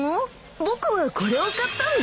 僕はこれを買ったんだ。